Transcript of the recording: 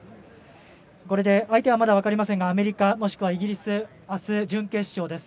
これで、相手はまだ分かりませんがアメリカ、もしくはイギリスあす準決勝です。